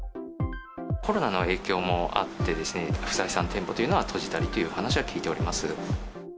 コロナの影響もあってですね、不採算店舗というのは閉じたりという話は聞いております。